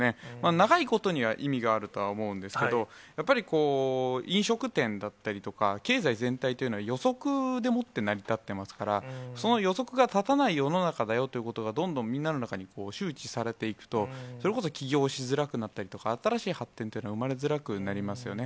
長いことには意味があるとは思うんですけれども、やっぱり飲食店だったりとか、経済全体というのは、予測でもって成り立っていますから、その予測が立たない世の中だよということが、どんどんみんなの中に周知されていくと、それこそ起業しづらくなったりとか、新しい発展というのは生まれづらくなりますよね。